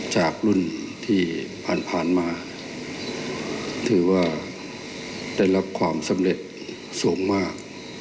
จากรุ่นที่ผ่านมาถือว่าได้รับความสำเร็จสูงมาก